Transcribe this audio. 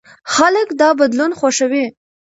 خلک دا بدلون خوښوي.